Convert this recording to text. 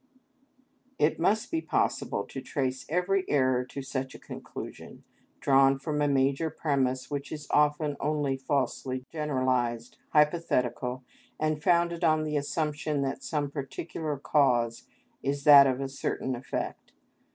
_"—It must be possible to trace every error to such a conclusion, drawn from a major premise which is often only falsely generalised, hypothetical, and founded on the assumption that some particular cause is that of a certain effect.